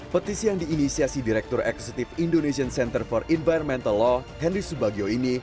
petisi yang diinisiasi direktur eksekutif indonesian center for environmental law henry subagio ini